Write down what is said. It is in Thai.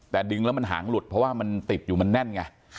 แต่ดึงแล้วมันหางหลุดเพราะว่ามันติดอยู่มันแน่นไง